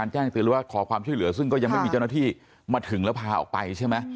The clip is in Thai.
ใช่มั้ย